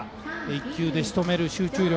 １球でしとめる集中力。